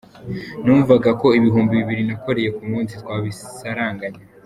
Numvaga ko ibihumbi bibiri nakoreye ku munsi twabisaranganya.